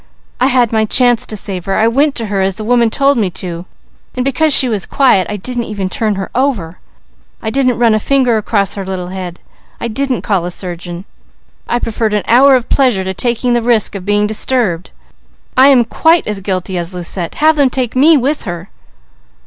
I had my chance to save her. I went to her as the woman told me to, and because she was quiet, I didn't even turn her over. I didn't run a finger across her little head. I didn't call a surgeon. I preferred an hour of pleasure to taking the risk of being disturbed. I am quite as guilty as Lucette! Have them take me with her."